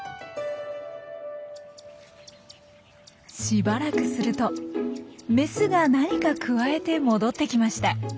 しばらくするとメスが何かくわえて戻ってきました。